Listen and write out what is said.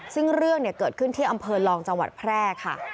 ซึ่งเรื่องเกิดขึ้นที่อำเภอลองจังหวัดแพร่ค่ะ